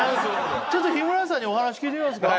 ちょっとヒムラヤさんにお話聞いてみますか